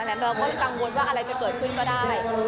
เราก็กังวลว่าอะไรจะเกิดขึ้นก็ได้